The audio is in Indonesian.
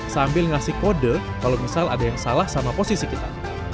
sambil ngasih kode kalau misal ada yang salah sama posisi kita